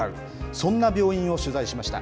そんな病院を取材しました。